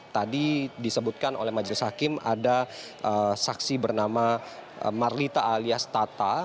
tadi disebutkan oleh majelis hakim ada saksi bernama marlita alias tata